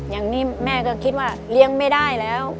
อย่างนี้แม่ก็คิดว่าเลี้ยงไม่ได้แล้ว